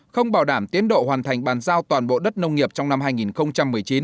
không bảo đảm tiến độ hoàn thành bàn giao toàn bộ đất nông nghiệp trong năm hai nghìn một mươi chín